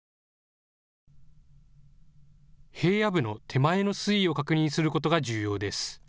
平野部の手前の水位を確認することが重要です。